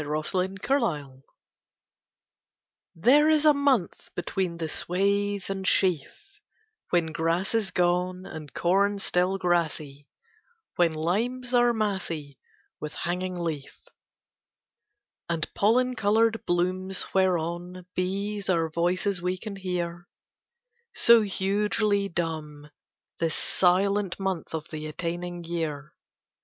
Michael Field July THERE is a month between the swath and sheaf When grass is gone And corn still grassy; When limes are massy With hanging leaf, And pollen coloured blooms whereon Bees are voices we can hear, So hugely dumb This silent month of the attaining year.